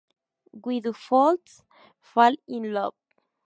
Why Do Fools Fall in Love?